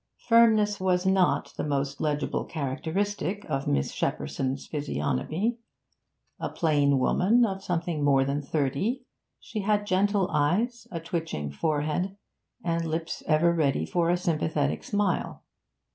Firmness was not the most legible characteristic of Miss Shepperson's physiognomy. A plain woman of something more than thirty, she had gentle eyes, a twitching forehead, and lips ever ready for a sympathetic smile.